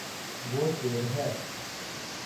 وہ شیر ہے